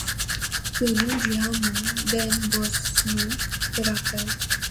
Le nom du hameau Den Bos nous le rappelle.